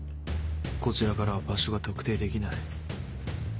こちらからは場所が特定できない。